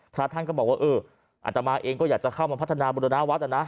พระท่านก็บอกว่าเอออัตมาเองก็อยากจะเข้ามาพัฒนาบุรณาวัดนะ